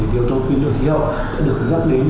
điều tố quyên lực khí hậu đã được gắt đến